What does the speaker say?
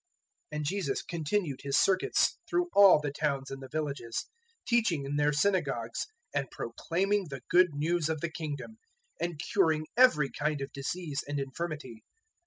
009:035 And Jesus continued His circuits through all the towns and the villages, teaching in their synagogues and proclaiming the Good News of the Kingdom, and curing every kind of disease and infirmity.